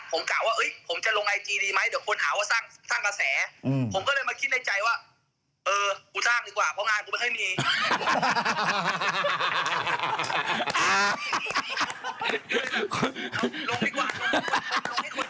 ผมก็เลยมาคิดในใจว่าเออกูสร้างดีกว่าเพราะงานกูไม่เคยมี